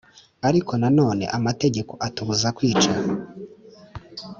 Ariko nanone amategeko atubuza kwica